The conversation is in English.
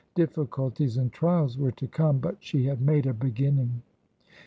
Difficulties and trials were to come, but she had made a beginning.